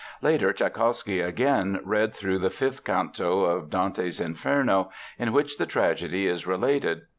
Later Tschaikowsky again read through the fifth canto of Dante's Inferno, in which the tragedy is related.